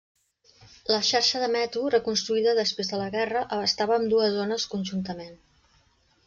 La xarxa de metro, reconstruïda després de la guerra, abastava ambdues zones conjuntament.